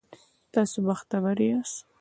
تاسو بختور یاست